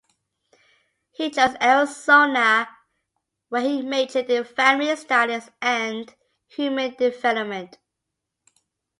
He chose Arizona, where he majored in family studies and human development.